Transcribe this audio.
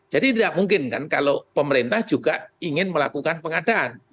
jadi tidak mungkin kan kalau pemerintah juga ingin melakukan pengadaan